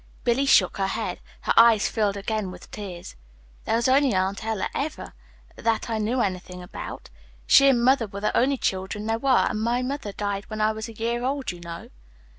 Billy shook her head. Her eyes filled again with tears. "There was only Aunt Ella, ever, that I knew anything about. She and mother were the only children there were, and mother died when I was a year old, you know."